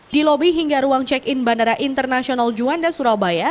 di lobi hingga ruang check in bandara internasional juanda surabaya